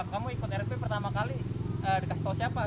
kamu ikut rb pertama kali dikasih tau siapa